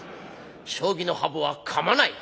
将棋のハブはかまない。